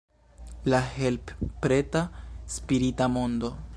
La help-preta spirita mondo.